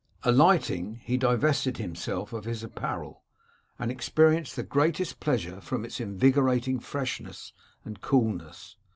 Alighting, he divested himself of his apparel, and experienced the greatest pleasure from its invigorating freshness and coolness.